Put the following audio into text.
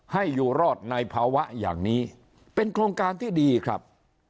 ให้อยู่รอดในภาวะอย่างนี้เป็นโครงการที่ดีครับ